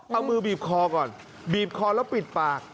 เอามือบีบคอก่อนบีบคอแล้วปิดปาก